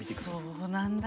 そうなんだ。